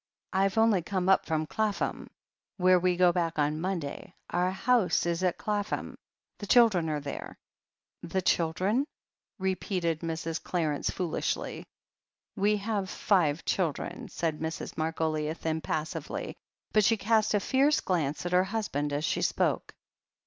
"Fve only come up from Clapham, where we go back on Monday. Our house is at Clapham. The children are there." The children ?" repeated Mrs. Qarence foolishly. 'We have five children," said Mrs. Margoliouth im passively, but she cast a fierce glance at her husband as she spoke.